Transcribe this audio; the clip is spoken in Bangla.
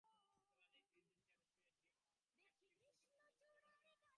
নিসার আলি ইজি চেয়ারে শুয়ে জিম ম্যাকার্থির বইটির পাতা ওল্টাতে লাগলেন।